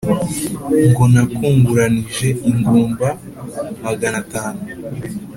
Ngo nakunguranije ingumba magana atanu